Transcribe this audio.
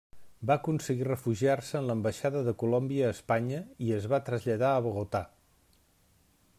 Va aconseguir refugiar-se en l'ambaixada de Colòmbia a Espanya, i es va traslladar a Bogotà.